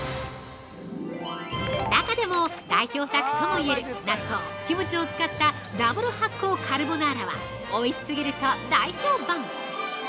中でも代表作ともいえる納豆、キムチを使ったＷ発酵カルボナーラはおいしすぎると大評判。